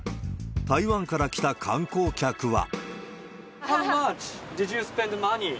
台湾から来た観光客は。